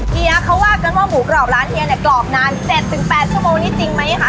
เฮียเขาว่ากันว่าหมูกรอบร้านเฮียเนี่ยกรอบนาน๗๘ชั่วโมงนี้จริงไหมคะ